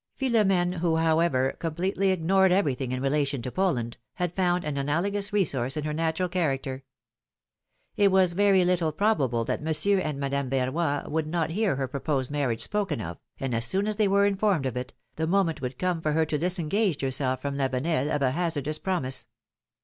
Philom^ne, who, however, completely ignored everything in relation to Poland, had found an analogous resource in her natural character. It was very little prob able that Monsieur and Madame Verroy would not hear her proposed marriage spoken of, and as soon as they were informed of it, the moment would come for her to disen gage herself from Lavenel of a hazardous promise